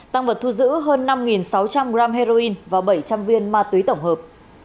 tăng vật thu giữ hơn năm sáu trăm linh g heroin và bảy trăm linh viên ma túy tổng hợp